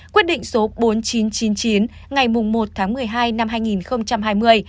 quyết định số bốn nghìn chín trăm chín mươi chín ngày một tháng một mươi hai năm hai nghìn hai mươi